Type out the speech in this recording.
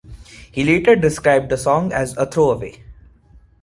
He later described the song as "a throwaway".